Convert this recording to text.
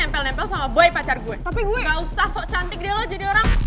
tapi pacar gue gak usah sok cantik deh lo jadi orang